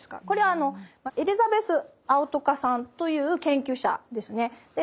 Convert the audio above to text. これあのエリザベス・アウトカさんという研究者ですね。